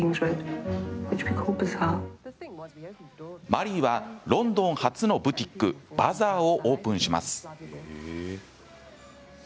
マリーはロンドン初のブティックバザーをオープンします。